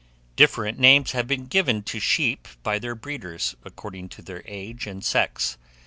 DIFFERENT NAMES HAVE BEEN GIVEN to sheep by their breeders, according to their age and sex.